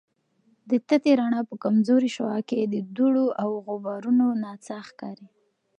د تتي رڼا په کمزورې شعاع کې د دوړو او غبارونو نڅا ښکاري.